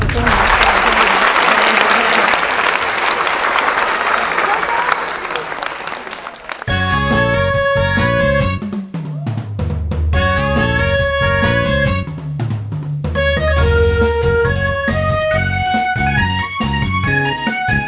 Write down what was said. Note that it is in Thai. ขอบคุณครับ